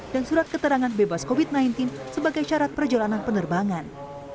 dan surat keterangan bebas covid sembilan belas sebagai syarat perjalanan penerbangan